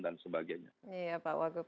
dan sebagainya iya pak waguw